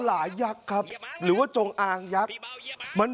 เรียนเรียนเรียน